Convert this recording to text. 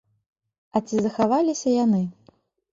А ці захаваліся яны?